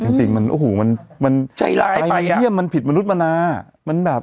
จริงจริงมันโอ้โหมันมันใจลายไปเยี่ยมมันผิดมนุษย์มานามันแบบ